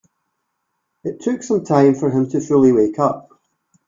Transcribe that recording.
It took some time for him to fully wake up.